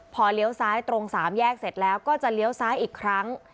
พอเลี้ยวซ้ายตรงสามแยกเสร็จแล้วก็จะเลี้ยวซ้ายอีกครั้ง